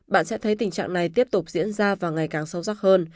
bạn sẽ thấy tình trạng này tiếp tục diễn ra và ngày càng sâu sắc hơn